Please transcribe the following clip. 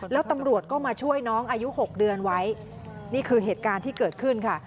แล้วตำรวจก็มาช่วยน้องอายุ๖เดือนไว้นี่คือเหตุการณ์ที่เกิดขึ้นค่ะ